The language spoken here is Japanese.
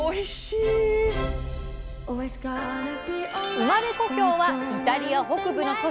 生まれ故郷はイタリア北部の都市モデナ。